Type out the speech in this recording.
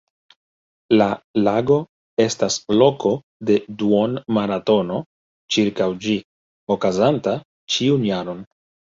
La lago estas loko de duon-maratono ĉirkaŭ ĝi, okazanta ĉiun jaron.